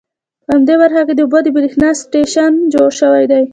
په همدې برخه کې د اوبو د بریښنا سټیشن جوړ شوي دي.